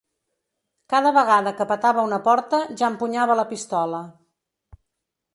Cada vegada que petava una porta ja empunyava la pistola